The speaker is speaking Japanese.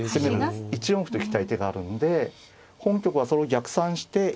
１四歩と行きたい手があるんで本局はそれを逆算して１四歩と行きましたね。